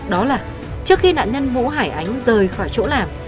đó là trước khi nạn nhân vũ hải ánh rời khỏi chỗ làm